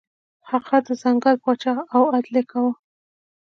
هغه د ځنګل پاچا و او عدل یې کاوه.